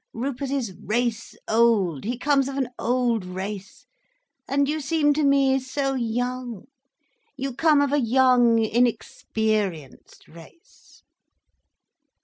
Rupert is race old, he comes of an old race—and you seem to me so young, you come of a young, inexperienced race."